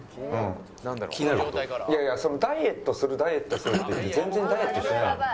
ダイエットするダイエットするって言って全然ダイエットしてないよね。